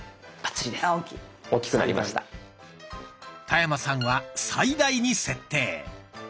田山さんは「最大」に設定。